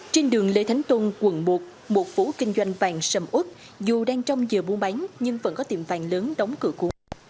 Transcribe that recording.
trên đường lê thánh tùng quận một một phố kinh doanh vàng sầm út dù đang trong giờ buôn bánh nhưng vẫn có tiệm vàng lớn đóng cửa của quận một